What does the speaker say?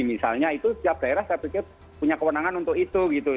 misalnya itu tiap daerah saya pikir punya kewenangan untuk itu gitu